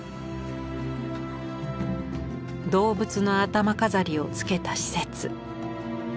動物の頭飾りをつけた使節。